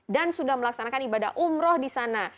dan sudah melaksanakan ibadah umroh di sana